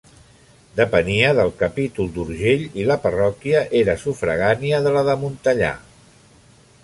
Depenia del capítol d’Urgell i la parròquia era sufragània de la de Montellà.